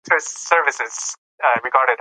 موږ باید د خپلو حسابونو د خوندیتوب لپاره هڅه وکړو.